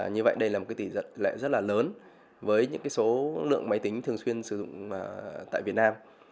như vậy đây là một tỷ lệ rất là lớn với những số lượng máy tính thường xuyên sử dụng tại việt nam